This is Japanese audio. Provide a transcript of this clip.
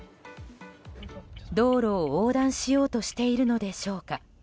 道路を横断しようとしているのでしょうか。